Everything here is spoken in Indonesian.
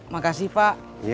makasih pak iya